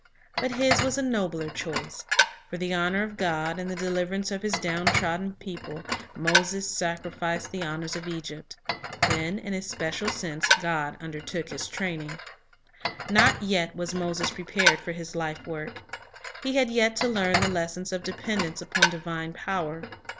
But his was a nobler choice. For the honor of God and the deliver ance of His downtrodden people, Moses sacrificed the honors of Egypt. Then, in a special sense, God under took his training. Not yet was Moses prepared for his life work. He had yet to learn the lesson of dependence upon divine power.